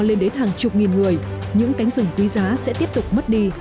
lên đến hàng chục nghìn người những cánh rừng quý giá sẽ tiếp tục mất đi